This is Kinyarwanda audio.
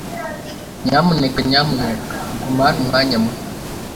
Nyamuneka nyamuneka guma hano umwanya muto?